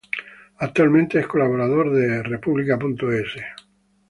Actualmente es colaborador de República.es.